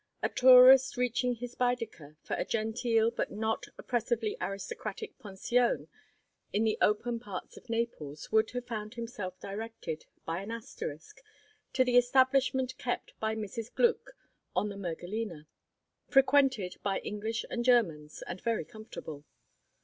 A tourist searching his Baedeker for a genteel but not oppressively aristocratic pension in the open parts of Naples would have found himself directed by an asterisk to the establishment kept by Mrs. Gluck on the Mergellina; frequented by English and Germans, and very comfortable.